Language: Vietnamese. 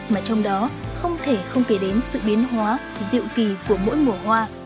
mà trong đó không thể không kể đến sự biến hóa diệu kỳ của mỗi mùa hoa